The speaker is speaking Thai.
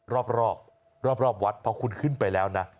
รอบรอบวัดเพราะคุณขึ้นไปแล้วนะ